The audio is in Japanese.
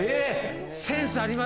センスあります。